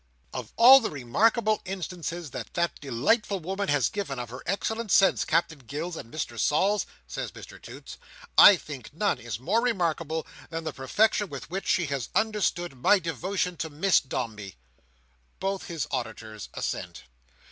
"Of all the remarkable instances that that delightful woman has given of her excellent sense, Captain Gills and Mr Sols," said Mr Toots, "I think none is more remarkable than the perfection with which she has understood my devotion to Miss Dombey." Both his auditors assent.